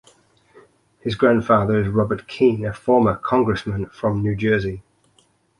His grandfather is Robert Kean, a former Congressman from New Jersey.